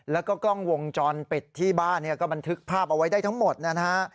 แล้วก็กล้องวงจรปิดที่บ้านเนี่ยก็บันทึกภาพเอาไว้ได้ทั้งหมดนะฮะ